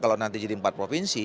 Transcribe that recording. kalau nanti jadi empat provinsi